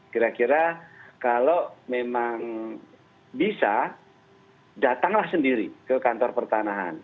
kira kira kalau memang bisa datanglah sendiri ke kantor pertanahan